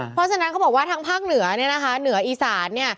เพราะฉะนั้นเขาบอกว่าทางภาคเหนือเนื้ออีสาน